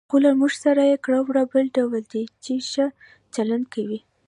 خو له موږ سره یې کړه وړه بل ډول دي، چې ښه چلند کوي.